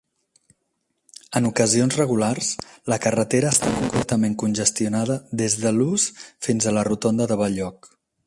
En ocasions regulars, la carretera està completament congestionada des de Luss fins a la rotonda de Balloch.